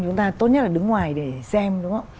chúng ta tốt nhất là đứng ngoài để xem